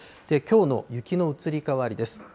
きょうの雪の移り変わりです。